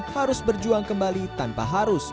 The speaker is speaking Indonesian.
harus berjuang kembali tanpa harus